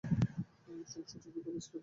সমস্যাটার সূত্রপাত সেখানেই।